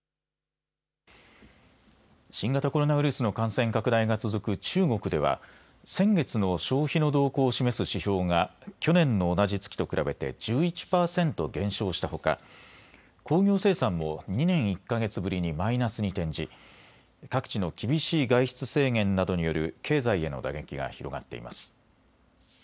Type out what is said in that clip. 新型コロナウイルスの感染拡大が続く中国では、先月の消費の動向を示す指標が去年の同じ月と比べて１１％減少したほか工業生産も２年１か月ぶりにマイナスに転じ各地の厳しい外出制限などによる経済への打撃が広がっています。